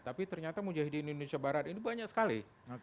tapi ternyata mujahidin indonesia barat ini banyak sekali